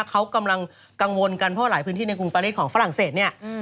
เขากำลังกังวลกันเพราะว่าหลายพื้นที่ในกรุงปารีสของฝรั่งเศสเนี่ย